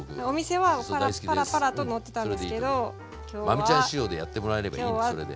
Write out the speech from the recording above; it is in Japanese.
真海ちゃん仕様でやってもらえればいいんですそれで。